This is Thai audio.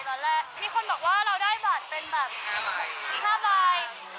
ตอนแรกมีคนบอกว่าเราได้บัตรเป็นแบบ๕ใบ